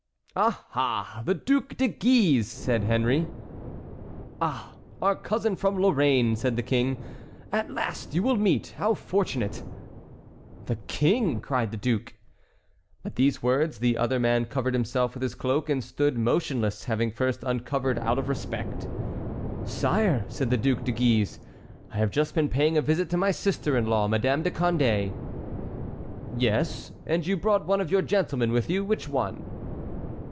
"Ah! ah! the Duc de Guise!" said Henry. "Ah! our cousin from Lorraine," said the King; "at last you will meet! How fortunate!" "The King!" cried the duke. At these words the other man covered himself with his cloak and stood motionless, having first uncovered out of respect. "Sire," said the Duc de Guise, "I have just been paying a visit to my sister in law, Madame de Condé." "Yes—and you brought one of your gentlemen with you? Which one?"